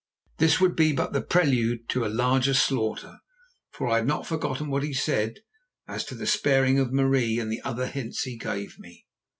This would be but the prelude to a larger slaughter, for I had not forgotten what he said as to the sparing of Marie and the other hints he gave me.